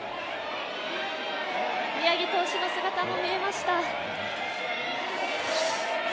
宮城投手の姿も見えました。